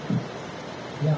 yang sudah oke